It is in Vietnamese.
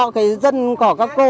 cái dân của các cô